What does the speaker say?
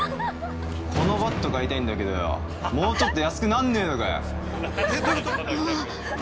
このバット買いたいんだけどよ、もうちょっと安くなんねえのかよ。